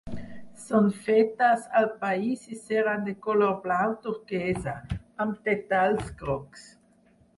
Són fetes al país i seran de color blau turquesa, amb detalls grocs.